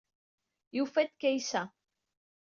Yufa-d Kaysa.